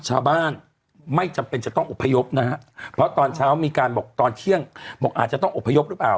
ชาวบ้านไม่จำเป็นจะต้องอบพยพนะฮะเพราะตอนเช้ามีการบอกตอนเที่ยงบอกอาจจะต้องอบพยพหรือเปล่า